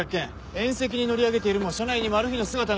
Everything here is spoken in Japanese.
縁石に乗り上げているも車内にマルヒの姿なし。